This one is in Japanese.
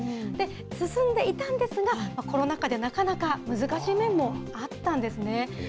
進んでいたんですが、コロナ禍でなかなか難しい面もあったんですね。